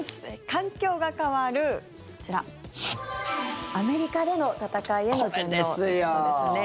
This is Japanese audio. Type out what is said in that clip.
環境が変わるアメリカでの戦いへの順応ということですね。